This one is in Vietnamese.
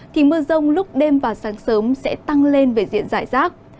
thì mưa rông lúc đêm và sáng sớm sẽ tăng lên về diện giải rác